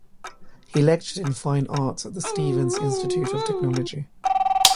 He lectured in Fine Arts at the Stevens Institute of Technology.